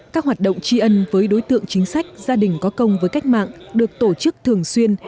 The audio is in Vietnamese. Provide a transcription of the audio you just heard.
các hoạt động tri ân với đối tượng chính sách gia đình có công với cách mạng được tổ chức thường xuyên